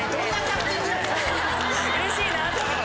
嬉しいなと思って。